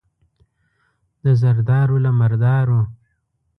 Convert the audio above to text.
د زردارو، له مردارو.